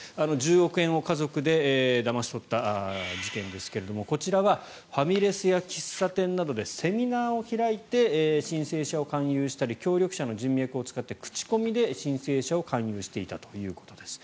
１０億円を家族でだまし取った事件ですがこちらはファミレスや喫茶店などでセミナーを開いて申請者を勧誘したり協力者の人脈を使って口コミで申請者を勧誘していたということです。